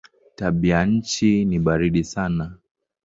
Tabianchi ni baridi sana.